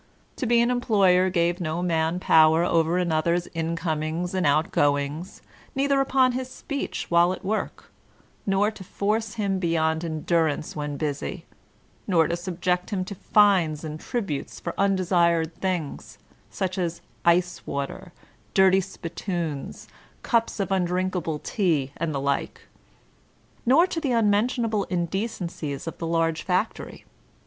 To be an employer gave no man power over another's incomings and outgoings, neither upon his speech while at work, nor to force him beyond endurance when busy, nor to subject him to fines and tributes for undesired things, such as ice water, dirty spittoons, cups of undrinkable tea and the like; nor to the unmentionable indecencies of the laige factory.